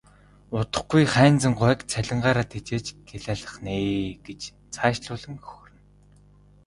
Удахгүй Хайнзан гуайг цалингаараа тэжээж гялайлгах нь ээ гэж цаашлуулан хөхөрнө.